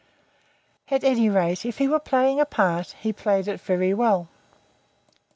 At any rate, if he was playing a part, he played it very well.